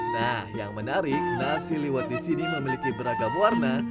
nah yang menarik nasi liwet di sini memiliki beragam warna